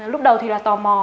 lúc đầu thì là tò mò